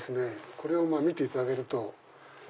これを見ていただけると。